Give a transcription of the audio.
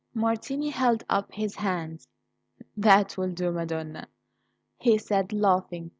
Martini held up his hands. "That will do, Madonna," he said, laughing.